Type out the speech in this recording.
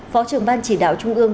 phó trưởng ban chỉ đạo trung ương